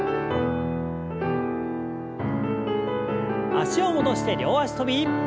脚を戻して両脚跳び。